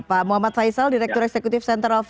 pak muhammad faisal direktur eksekutif center of